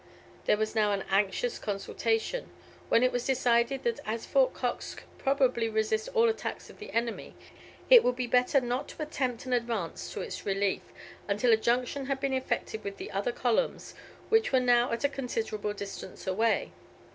There was now an anxious consultation, when it was decided that as Fort Cox could probably resist all attacks of the enemy, it would be better not to attempt an advance to its relief until a junction had been effected with the other columns, which were now at a considerable distance away.